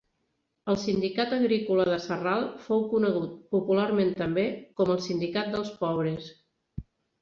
El Sindicat Agrícola de Sarral fou conegut, popularment també, com el Sindicat dels pobres.